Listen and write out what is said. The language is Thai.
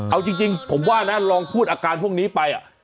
เอาจริงผมว่านะลองพูดอาการพวกนี้ไป